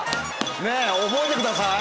ねっ覚えてください。